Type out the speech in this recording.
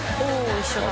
一緒だ」